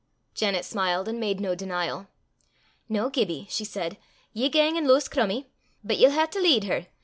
Janet smiled and made no denial. "Noo, Gibbie," she said, "ye gang an' lowse Crummie. But ye'll hae to lead her.